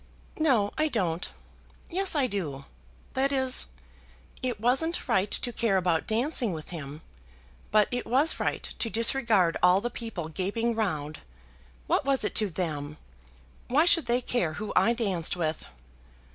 "No, I don't. Yes, I do; that is. It wasn't right to care about dancing with him, but it was right to disregard all the people gaping round. What was it to them? Why should they care who I danced with?"